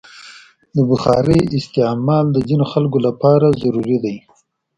د بخارۍ استعمال د ځینو خلکو لپاره ضروري دی.